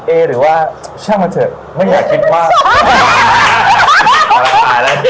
เอตรือว่าช่างมาเถอะไม่อยากคิดมาก